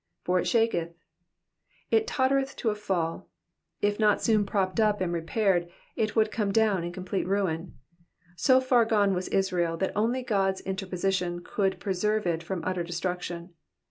''''For it shaketh,^^ It tottered to a fall ; if not soon propped up and repaired it would come down in complete ruin. So far gone was Israel, that only God's interposition could preserve it from utter destruction.